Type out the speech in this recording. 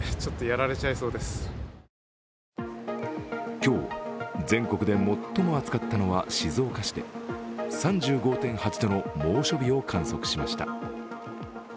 今日、全国で最も暑かったのは静岡市で３５．８度の猛暑日を観測しました。